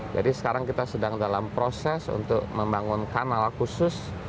jadi sekarang kita sedang dalam proses untuk membangun kanal khusus